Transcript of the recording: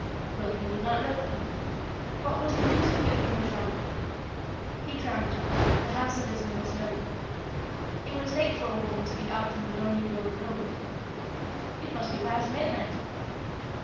Well, he would not look, then. What was the use of giving her trouble? He tramped on, perhaps a little more slowly. It was late for a woman to be out on the lonely road alone. It must be past midnight.